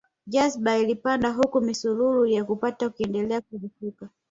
Jazba ilipanda huku misururu ya kupata ikiendelea kurefuka